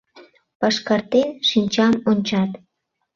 Пашкартен шинчам, ончат.